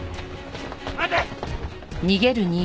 待て！